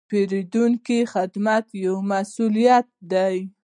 د پیرودونکو خدمت یو مسوولیت دی.